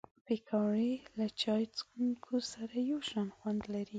پکورې له چای څښونکو سره یو شان خوند لري